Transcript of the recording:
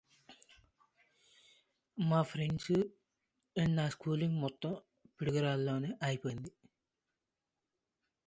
He currently serves as the Chairman of Miller Buckfire.